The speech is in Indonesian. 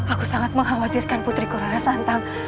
aku sangat mengkhawatirkan putri corona santang